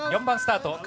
４番スタート